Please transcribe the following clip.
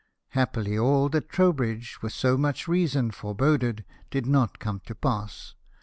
Happily all that Trowbridge, with so much reason, foreboded, did not come to pass.